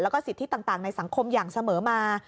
แล้วก็สิทธิต่างในสังคมอย่างเสมอมา